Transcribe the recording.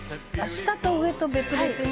下と上と別々に。